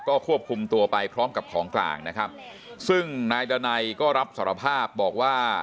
ก็ควบคุมตัวไปพร้อมกับของกลางนะครับซึ่งนายดานัยก็รับสารภาพบอกว่า